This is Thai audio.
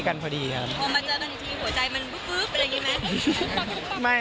พอมาเจอกันอีกทีหัวใจมันบึ๊บเป็นอย่างนี้ไหม